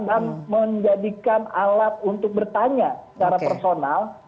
dan menjadikan alat untuk bertanya secara personal